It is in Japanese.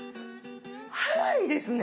ハワイですね。